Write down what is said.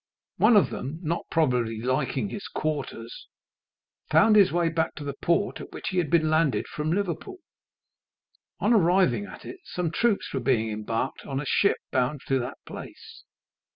One of them, not probably liking his quarters, found his way back to the port at which he had been landed from Liverpool. On arriving at it, some troops were being embarked in a ship bound to that place.